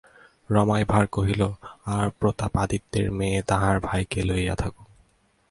রমাই ভাঁড় কহিল, আর প্রতাপাদিত্যের মেয়ে তাহার ভাইকে লইয়া থাকুক।